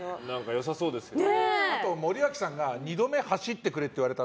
良さそうですよね。